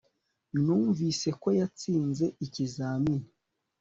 numvise ko yatsinze ikizamini